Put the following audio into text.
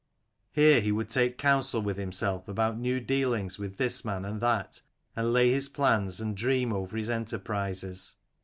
Here he would take counsel with himself about new dealings with this man and that, and lay his plans and dream over his enterprises.